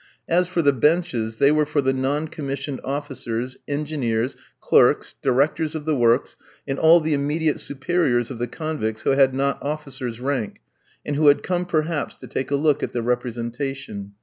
As for the benches, they were for the non commissioned officers, engineers, clerks, directors of the works, and all the immediate superiors of the convicts who had not officer's rank, and who had come perhaps to take a look at the representation.